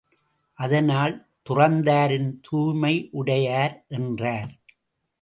அதனால், துறந்தாரின் தூய்மையுடையார் என்றார்.